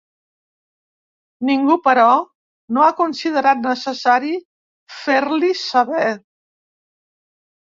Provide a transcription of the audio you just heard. Ningú, però, no ha considerat necessari fer-l'hi saber.